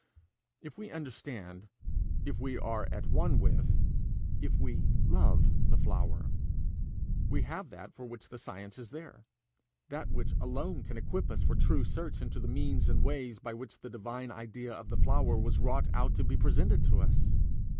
If we understand, if we are at one with, if we love the flower, we have that for which the science is there, that which alone can equip us for true search into the means and ways by which the divine idea of the flower was wrought out to be presented to us.